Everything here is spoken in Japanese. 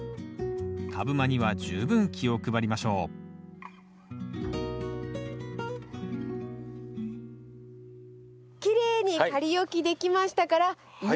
株間には十分気を配りましょうきれいに仮置きできましたからいよいよ植えつけですね。